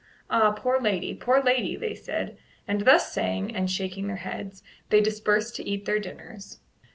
"Ah, poor lady! poor lady!" they said; and thus saying, and shaking their heads, they dispersed to eat their dinners.